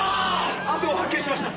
阿藤を発見しました。